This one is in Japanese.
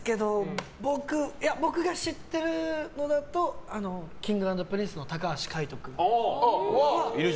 僕が知ってるのだとＫｉｎｇ＆Ｐｒｉｎｃｅの高橋海人君。